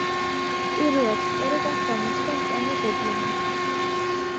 პირველად სწორედ აქ გამოჩნდა მწვანე გობლინი.